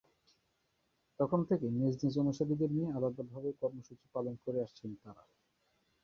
তখন থেকে নিজ নিজ অনুসারীদের নিয়ে আলাদাভাবে কর্মসূচি পালন করে আসছেন তাঁরা।